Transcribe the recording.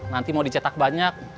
nanti mau dicetak banyak